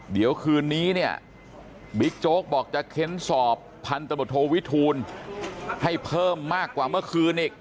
เดี๋ยวคืนนี้เนี่ยบิ๊กโจ๊กบอกจะเค้นสอบพันธบทโทวิทูลให้เพิ่มมากกว่าเมื่อคืนอีก